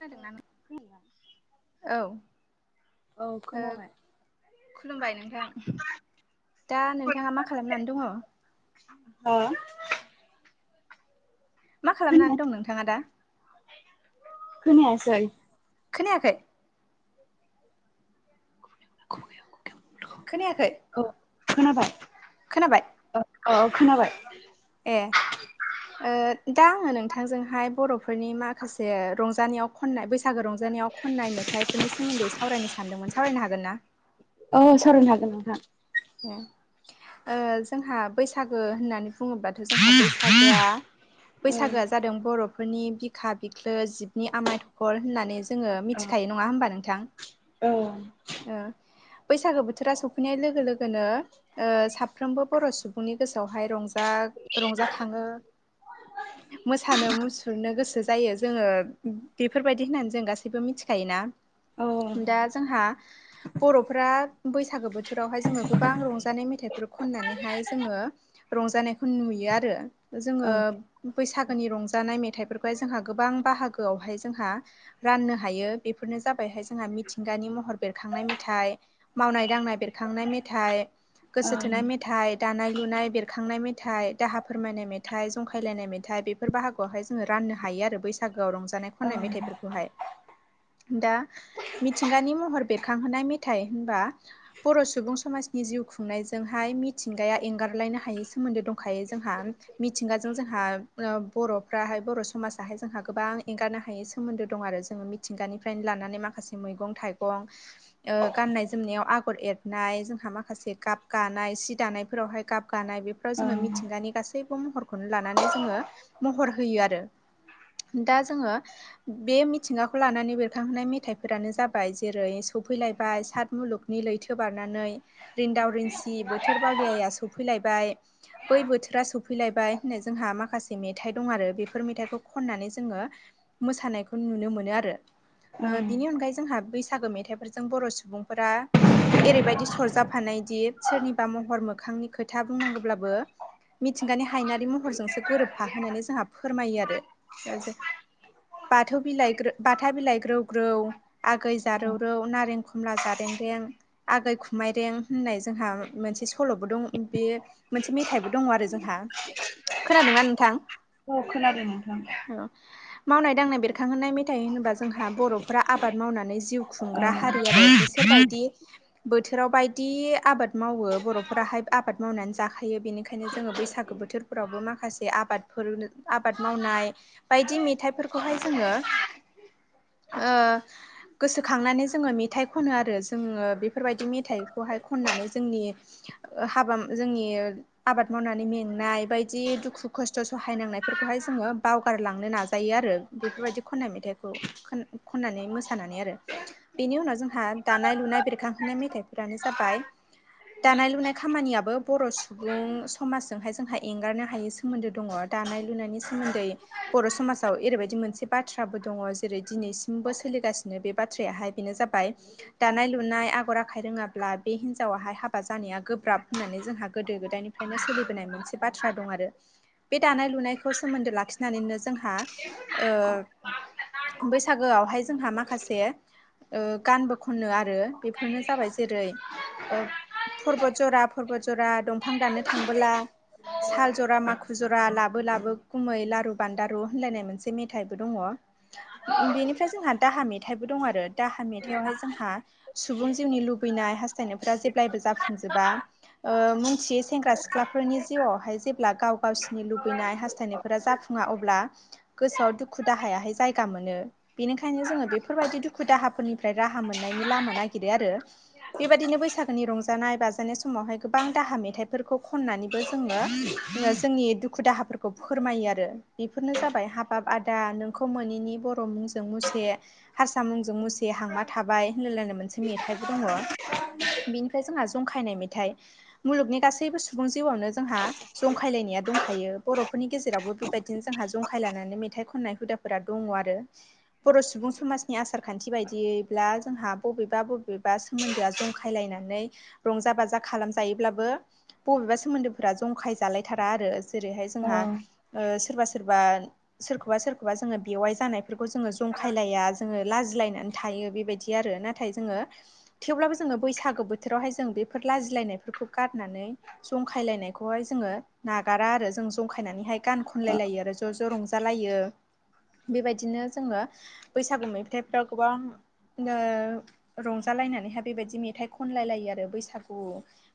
खोनादोंना औ औ ओ खोनाबाय खुलुमबाय नोंथां दा नोंथाङा मा खालामनानै दङ'? हो मा खालामनानै दं नोंथाङा दा? खोनायासै खोनायाखै [unintelligible] खोनायाखै औ खोनाबाय खोनाबाय औ औ खोनाबाय ए ओ दा आङो नोंथांजोंहाय बर'फोरनि माखासे रंजानायाव खननाय बैसाग गो रंजानायाव खननाय मेथाइफोरनि सोमोन्दै सावरायनो सानदोंमोन सावरायनो हागोन ना? औ सावरायनो हागोन नोंथां ए ओ जोंहा बैसागो होननानै बुङोब्लाथ' जोंहा बैसागोआ औ बैसागोआ जादों बर'फोरनि बिखा बि ख्लो जिबनि आमाय थखल होननानै जोङो मिथिखायो नङा होमबा नोंथां औ ओ बैसागो बोथोरा सफैनाय लोगो लोगोनो ओ साफ्रोमबो बर' सुबुंनि गोसोआवहाय रंजा जा रंजाखाङो मोसानो मुसुरनो गोसो जायो जोङो बेफोरबायदि होननानै जों गासैबो मिथिखायोना औ दा जोंहा बर'फ्रा बैसागो बोथोर रावहाय जोङो गोबां रंजानाय मेथाइफोर खननानैहाय जोङो रंजानायखौ नुयो आरो जोङो औ बैसागोनि रंजानाय मे थाइफोरखौहाय जोंहा गोबां बाहागोआवहाय जोंहा राननो हायो बेफोरनो जाबायहाय जोंहा मिथिंगानि महर बेरखांनाय मेथाइ मावनाय दांनाय बेरखांनाय मेथाइ औ गोसो थोनाय मेथाइ दानाय लुनाय बेरखांनाय मेथाइ मेथाइ दाहा फोरमायनाय मेथाइ जंखायलायनाय मेथाइ बेफोर बाहागोआवहाय जोङो राननो हायो आरो बैसागु आव रंजानाय खननाय मेथाइफोरखौहाय। दा मिथिंगानि महर बेरखांहोनाय मेथाइ होनबा बर' सुबुं समाजनि जिउ खुंनायजोंहाय मिथिंगाया एंगार लायनो हायै सोमोन्दो दंखायो जोंहा मिथिंगाजों जोंहा बर'फ्राहाय बर' समाजाहाय जोंहा गोबां एंगारनो हायै सोमोन्दो दं आरो जोङो मिथिंगानिफ्रायनो लानानै माखासे माखासे मैगं थाइगं ओ गाननाय जोमनायाव आगर एरनाय जोंहा माखासे गाब गानाय सि दानायफोरावहाय गाब गानाय बेफोराव औ जोङो मिथिंगानि गासैबो महरखौनो लानानै जोङो महर होयो आरो दा जोङो बे मिथिंगाखौ लानानै बेरखांहोनाय मेथाइफोरानो जाबाय जेरै सफैलायबाय सात मुलुगनि लैथो बारनानै रिन्दाव रिनसि बोथोर बावलिया स- सौफैलायबाय बै बोथोरा सौफैलायबाय होननाय जोंहा माखासे मेथाइ दं आरो बेफोर मेथाइखौ खननानै जोङो मोसानायखौ नुनो मोनो आरो ओ बिनि अनगायै जों बै- सागो मेथाइफोरजों बर' सुबुंफोरा ओरैबायदि सरजाफानाय दि सोरनिबा महर मोखां नि खोथा बुंनांगौब्लाबो मिथिंगानि हायनारि महरजोंसो गोरोबफा होनानै जोंहा फोरमायो आरो जे बाथौ बिलाइ बाथा बिलाइग्रौग्रौ आगै जारौ रौ नारेंख खमला जारें रें आगै खुमाय रें होननाय जोंहा मोनसे सल'बो दं बे मोनसे मेथाइबो दङ आरो जोंहा खोनादोंना नोंथां? औ खोनादों नोंथां। औ मावनाय दांनाय बेरखांहोनाय मेथाइ होनोबा जोंहा बर'फोरा आबाद मावनानै जा जिउ औ खुंग्रा हारि आरो बिसोर बायदि बोथोराव बायदि आबाद मावो बर'फोराहाय आबाद मावनानै जाखायो बिनिखायनो जोङो बैसागो बोथोरफोरावबो माखासे आबादफोर आबाद मावनाय बायदि मेथाइफोरखौहाय जोङो ओ गोसोखांनानै जोङो मेथाइ खनो आरो जोङो बेफोर बायदि थाइखौहाय खननानै जोंनि ओ हाबा जोंनि ओ आबाद मावनानै मेंनाय बायदि दुखु खस्थ' सहायनांनायफोरखौहाय जोङो बावगारलांनो नाजायो आरो आरो बेफोरबायदि खननाय मेथाइखौ खननानै मोसानानै आरो बेनि उनाव जोंहा दानाय लुनाय बेरखांहोनाय मेथाइफोरानो जाबाय दानाय लुनाय खामानियाबो बर' सुबुं समाजजोंहाय जोंहा एंगारनो हायै सोमोन्दो दङ' दानाय लुनायनि सोमोन्दै बर' समाजाव एरैबायदि मोनसे बाथ्राबो दङ' जेरै दिनैसिमबो सोलि सोलिगासिनो बे बाथ्रायाहाय बेनो जाबाय दानाय लुनाय आगर आखाइ रोङाब्ला बे हिनजावाहाय हाबा जानाया गोब्राब होननानै जोंहा गोदो गोदायनिफ्रायनो सोलिबोनाय मोनसे बाथ्रा दं आरो। बे दानाय लुनायखौ सोमोन्दो लाखिनानैनो जोंहा ओ बैसागोआवहाय जोंहा माखासे ओ गानबो खनो आरो बेफोरनो जाबाय जेरै ओ परबत जरा परबत जरा दंफां दाननो थांबोला साल जरा माखु जरा लाबो लाबो खुमै लारु बान्दारु होनलायनाय मोनसे मेथाइबो दङ'। बेनिफ्राय जोंहा दाहा मेथाइ बो दं आरो। दाहा मेथाइयाव हाय जोंहा सुबुं जिउनि लुबैनाय हास्थनायफ्रा जेब्लायबो जाफुंजोबा बा ओ मुंथियै सेंग्रा सिख्लाफोरनि जिउआवहाय जेब्ला गाव गावसिनि लुबैनाय हास्थनाय फोरा जाफुङा अब्ला गोसोआव दुखु दाहायाहाय जायगा मोनो बिनिखायनो जोङो बिफोर बायदि दुखु दाहाफोरनिफ्राय राहा मोननायनि लामा नायगिरो आरो। बेबादिनो बैसागोनि रंजानाय बाजा नाय समावहाय गोबां दाहा मेथाइफोरखौ खननानैबो जोङो जोंनि दुुखु-दाहाफोरखौ फोरमायो आरो। बेफोरनो जाबाय हाबाब आदा नोंखौ मोनैनि बर' मुंजों मुसे हारसा मुंजों मुसे हांमा थाबाय होनलायलायनाय मोनसे मेथाइबो दङ'। बिनिफ्राय जोंहा जंखायनाय मेथाइ मुलुगनि गासैबो सुबुं जिउआवनो जोंहा जंखायलाय नाया दंखायो बर'फोरनि गेजेरावबो बेबायदिनो जोंहा जंखाय लानानै मेथाइ खननाय हुदाफोरा दङ' आरो। बर' सुबुं समाज नि आसार खान्थि बायदियैब्ला जोंहा बबेबा बबेबा सोमोन्दोआ जंखायलायनानै रंजा बाजा खालामजायोब्लाबो बबेबा सोमोन्दोफोरा जंखाय जालायथारा आरो जेरैहाय औ जोंहा ओ सोरबा सोरबा सोरखौबा सोरखौबा जोङो बेवाइ जानायफोरखौ जोङो जंखायलाया जोङो लाजिलायनानै थायो बेबायदि आरो नाथाय जोङो थेवब्लाबो जोङो बैसागो बोथोरावहाय जों बे फोर लाजिलायनायफोरखौ गारनानै जंखायलायनायखौहाय जोङो नागारा आरो जों जंखायनानै गान खनलायलायो आरो ज'ज' रंजालायो बेबायदिनो जोङो बैसा गु मेथाइफ्राव गोबां ओ रंजालायनानैहाय बेबायदि मेथाइ खनलाय लायो आरो बैसागु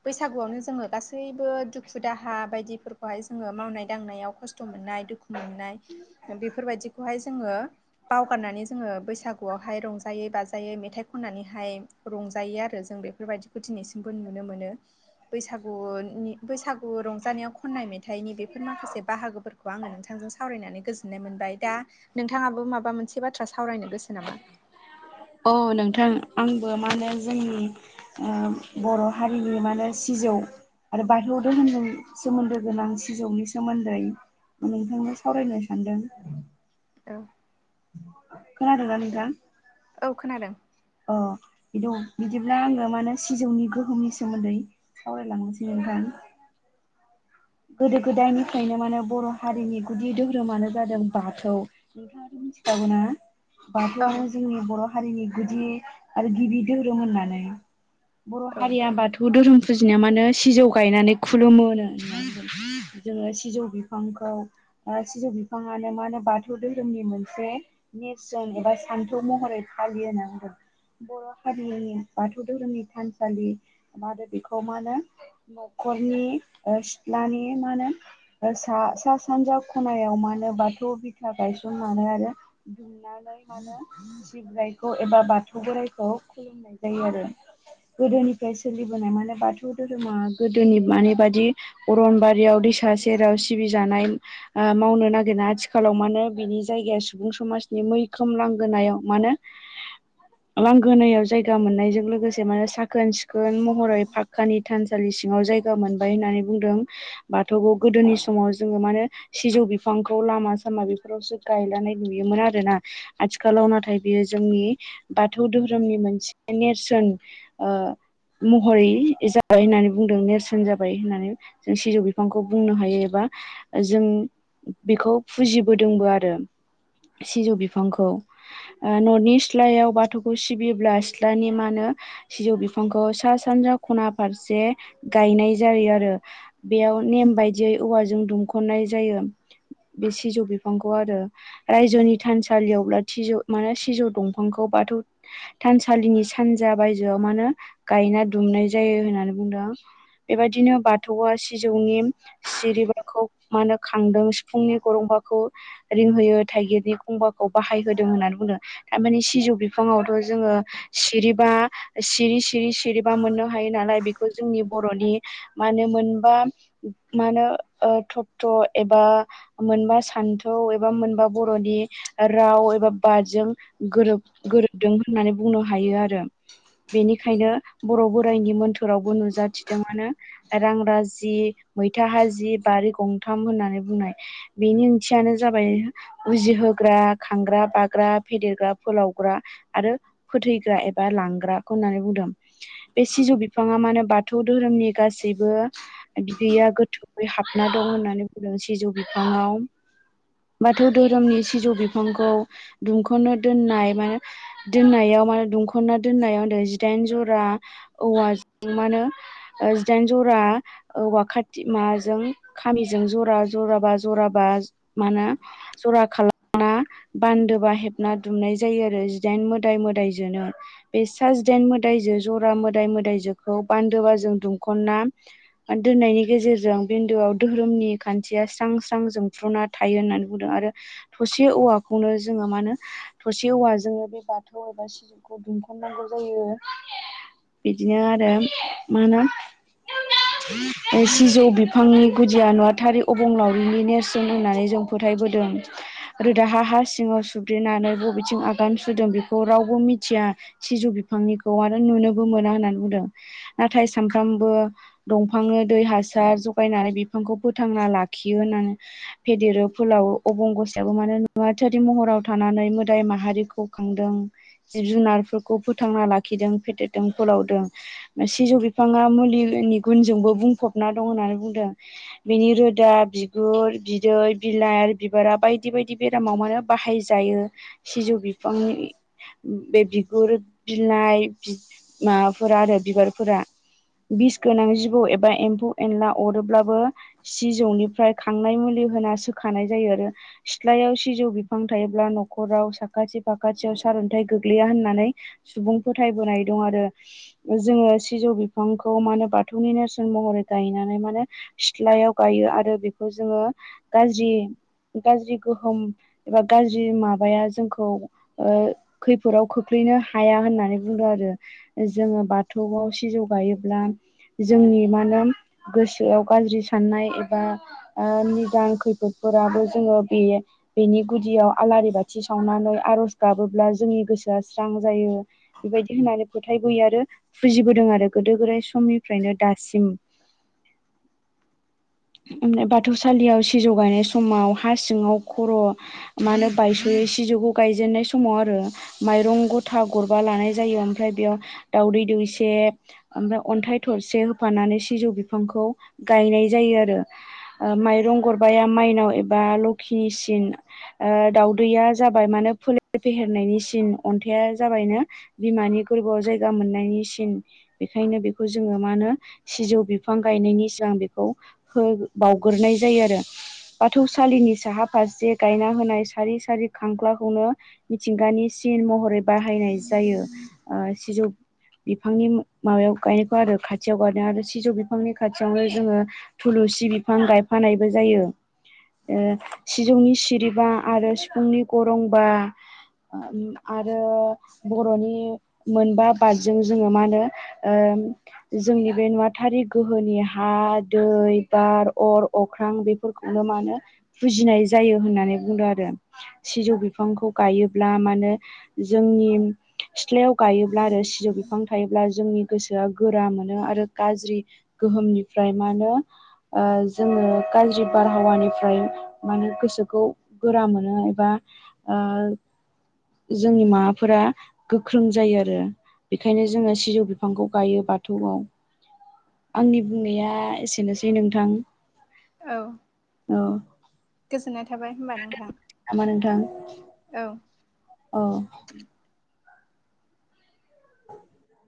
बैसागुआव नो जोङो गासैबो दुखु दाहा बायदिफोरखौहाय जोङो मावनाय दांनायाव खस्थ' मोननाय दुखु मोननाय नाय ओ बेफोर बायदिखौहाय जोङो बावगारनानै जोङो बैसागुआवहाय रंजायै बाजायै मेथाइ खननानैहाय रंजायो आरो जों बेफोर बायदिखौ दिनैसिमबो नुनो मोनो। बैसागुनि बैसागु रंजानायाव खननाय मेथाइनि बेफोर माखासे बाहागोफोरखौ आङो नोंथां जों सावरायनानै गोजोननाय मोनबाय दा नोंथाङाबो माबा मोनसे बाथ्रा बाथ्रा सावरायनो गोसो नामा? औ नोंथां आंबो मा होने जोंनि ओ बर' हारिनि मा होनो सिजौ आरो बाथौआव दोहोनजों सोमोन्दो गोनां सिजौनि सोमोन्दै नोंथांनो सावरायनो सानदों। औ खोनादोंना नोंथां औ खोनादों अ बि बिदिब्ला आङो माने सिजौनि गोहोमनि सोमोन्दै सावरायलांनोसै नोंथां [inaudible] गोदो गोदायनिफ्रायनो माने बर' हारिनि गुदि धोरोमानो जादों बाथौ मिथिखागौना औ बाथौआनो जोंनि बर' हारिनि गुदि आरो गिबि दोहोरोम होननानै बर' औ हारिया बाथौ धोरोम फुजिनाय मानो सिजौ गायनानै खुलुमो जोङो सिजौ बिफांखौ सिजौ बिफाङानो मा होनो बाथौ धोरोमनि मोनसे नेरसोन एबा सान्थौ महरै फालियो होनना बुंदों बर' हारिनि बाथौ धोरोमनि थानसालि मानो बेखौ मा होनो नख'रनि लानि मा होनो सा सानजा खनायाव मा होनो बाथौ बिथा गायसननानै आरो दुमनानै मानो सिब्रायखौ एबा बाथौ बोराइखौ खुलुमनाय जायो आरो गोदोनिफ्राय सोलिबोनाय माने बाथौ धोरोमा गोदोनि मानि बादि अरनबारियाव दैसा सेराव सिबि जानाय मावनो नागिरा आथिखालाव मानो बेनि जाय सुबुं समाजनि मैखोम लांगोनायाव मानो लांगोनायाव जायगा मोननायजों लोगोसे माने साख खोन सिखोन महरै फाक्कानि थानसालि सिङाव जायगा मोनबाय होननानै बुंदों बाथौखौ गोदोनि समाव जोङो माने सिजौ बिफांखौ लामा सामा बेफोरावसो गायजानाय नुयोमोन आरोना आथिखालाव नाथाय बियो जोंनि बाथौ दोहोरोमनि मोनसे नेरसोन महरै जाबाय होननानै बुंदों नेरसोन जाबाय होननानै जों सिजौ बिफांखौ बुंनो हायो एबा जों बेखौ फुजिबोदोंबो आरो सिजौ बिफांखौ ननि सिथ्लायाव बाथौखौ सिबियोब्ला सिथ्लानि मा होनो सिजौ बिफांखौ सा सानजा खना फारसे गायनाय जायो आरो बेयाव नेम बायदियै औवाजों दुमख'नाय जायो बे सिजौ बिफांखौ आरो रायजोनि थानसालियावब्ला सिजौ माने सिजौ दंफांखौ बाथौ थानसालिनि सानजा बायजोआव मा होनो गायना दुमनाय जायो होननानै बुंदों बेबायदिनो बा बाथौआ सिजौनि सिरिबाखौ मा होनो खांदों सिफुंनि गरंबाखौ थाइगिरनि खंबाखौ बाहाय होदों होननानै बुंदों थारमाने सिजौ बिफाङावथ' जोङो सिरिबा सिरि सिरि सिरिबा मोननो हायो नालाय बेखौ जोंनि बर'नि मा होनो मोनबा मा होनो थत एबा मोनबा सान्थौ एबा मोनबा बर'नि राव एबा बादजों गोरोब गोरोबदों होननानै बुं हायो आरो बेनिखायनो बर' बोराइनि मोन्थोरावबो नुजाथिदोंमोननो रां राजि मैथा हाजि बारि गंथाम होननानै बुंनाय बेनि ओंथियानो जाब उजिहोग्रा खांग्रा बाग्रा फेदेरग्रा फोलावग्रा आरो फोथ एबा लांग्रा होननानै बुंदों बे सिजौ बिफाङा मानो बाथौ धोरोमनि गासै गासैबो बिदैया गोथौयै हाबना दं होननानै बुंदों सिजौ बिफाङाव बाथौ धोरोमनि सिजौ बिफांखौ दुंख'नो दोननाय माने दोननायाव दुंखनना दोननाय जिदाइन जरा औवाजों मानो जिदाइ जरा औवा खाथि माजों खामिजों जरा जराबा जराबा मा होनो जरा खालामना बान्दोबा हेबना दुमनाय जायो आरो जिदाइन मोदाय मोदायजोनो बे साजिदाइन मोदायजो जरा मोदाय मोदायजोखौ बान्दोबा जों दुम खना दोननायनि गेजेरजों बिन्दुआव धोरोमनि खान्थिया स्रां स्रां जोंफ्रुना थायो होननानै बुंदों आरो थसे औवाखौनो जोङो मा होनो थसे औवाजोंनो जोङो बे बाथौ बबेबा सिजौखौ दुंखननांगौ जायो बिदिनो आरो मा होनो [inaudible] सिजौ बिफांनि गुदिया नुवाथारि अबंलावरिनि नेरसोन होननानै जों फोथायबोदों दों रोदाहा हा सिङाव सुद्रिनानै बबेथिं आगान सुरदों बेखौ रावबो मिथिया सिजौ बिफांनिखौ आरो नुनोबो मोना होननानै बुंदों नाथाय सानखां बो दै हासार जगायनानै बिफांखौ फोथांना लाखियो होननानै देरो फोलाव अबंगसायाबो माने नुवाथारि महराव थानानै मोदाय माहारिखौ खांदों जिब जुनारफोरखौ फोथांना लाखिदों फेदेरदों फोलावदों सिजौ बिफाङा मुलि नि गुनजोंबो बुंफबना दं होननानै बुंदों बेनि रोदा बिगुर बिदै बिलाइ बिबारा बायदि बायदि बेरामाव मानो बाहाय जायो सिजौ बिफांनि बे बिगुर बिलाइ माबाफोरा आरो बिबारफोरा [inaudible] बिस गोनां जिबौ एबा एम्फौ एनला अरोब्लाबो सि जौनिफ्राय खांनाय मुलि होनानै सोखानाय जायो आरो सिथ्लायाव सिजौ बिफां थायोब्ला न'खराव साखाथि फाखाथियाव सार अन्थाइ गोग्लैया होननानै सुबुं फोथायबोनाय दं आरो जों सिजौ बिफां खौ माने बाथौनि नेरसोन महरै गायनानै माने सिथ्लायाव गायो आरो बेखौ जोङो गाज्रि गाज्रि गोहोम एबा गाज्रि माबाया जोंखौ खैफोदाव खोख्लैया नों हाया होननानै बुंदों आरो जोङो बाथौआव सिजौ गायोब्ला जोंनि मा होनो गोसोआव गाज्रि साननाय एबा निदां खैफोद फोराबो जोङो बे बेनि गुदियाव आलारि बाथि सावनानै आर'ज गाबोब्ला जोंनि गोसोआ स्रां जायो बेबायदि होननानै फोथायबोयो आरो फुजिबोदों आरो गोदो गोदाय समनिफ्रायनो दासिम [inaudible] ओमफ्राय बाथौसालियाव सिजौ गायनाय समाव हा सिङाव खर' मा होनो बायस'यो सिजौखौ गायनाय समाव आरो माइरं गथा गरबा लानाय जायो ओमफ्राय बेयाव दावदै दैसे ओमफ्राय अन्थाइ थरसे होफानानै सिजौ बिफांखौ गायनाय जायो आरो ओ माइरं गरबा या माइनाव एबा लखिनिसिन ओ दावदैया जाबाय मानो फोलेर फेहेरनाय नि अन्थाया जाबायनो बिमानि गोरबोआव जायगा मोननायनि सिन बेखायनो बे बेखौ जोङो मा होनो सिजौ बिफां गायनायनि सिगां बेखौ बावउगोरनायजायो आरो। बाथौसालिनि साहा फारसे गायना होनाय सारि सारि खांख्लाखौनो मिथिंगानि महरै बाहायनाय जायो ओ सिजौ बिफांनि माबायाव गाय खाथियाव आरो खाथियाव गायो आरो सिजौ बिफांनि खाथियावनो जोङो थुलुसि बिफां गायफानायबो जायो। ओ सिजौनि सिरिबा आरो सिफुंनि गरंबा [unintelligible] आरो बर'नि मोनबा बादजों जोङो मा होनो ओ जोंनि बे नुवाथारि गोहोनि हा दै बार अर अख्रां बेफोरखौ नो मानो फुजिनाय जायो होननानै बुंदों आरो सिजौ बिफांखौ गायोब्ला माने जोंनि सिथ्लायाव गायोब्ला आरो सिजौ बिफां थायोब्ला जोंनि गोसोआ गोरा मोनो आरो गाज्रि गोहोमनिफ्राय मा होनो जोङो गाज्रि बारहावानिफ्राय माने गोसोखौ गोरा मोनो एबा ओ जोंनि माबाफोरा गोख्रों जायो आरो बेखायनो जोङो सिजौ बिफांखौ गायो बाथौआव आंनि बुंनाया एसेनोसै नोंथां। औ औ गोजोननाय थाबाय होनबा नोंथां। नामा नोंथां औ औ [inaudible]